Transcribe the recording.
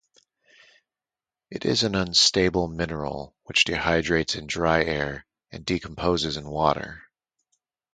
It is an unstable mineral which dehydrates in dry air and decomposes in water.